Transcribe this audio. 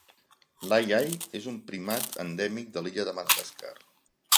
L'ai-ai és un primat endèmic de l'illa de Madagascar.